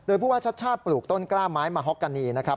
โดยผู้ว่าชัดชาติปลูกต้นกล้าไม้มาฮอกกานีนะครับ